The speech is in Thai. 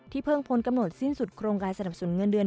เพิ่งพ้นกำหนดสิ้นสุดโครงการสนับสนุนเงินเดือน